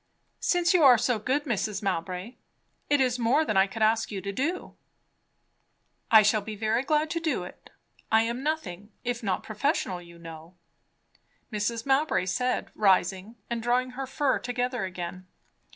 "Since you are so good, Mrs. Mowbray it is more than I could ask you to do " "I shall be very glad to do it. I am nothing if not professional, you know," Mrs. Mowbray said rising and drawing her fur together again.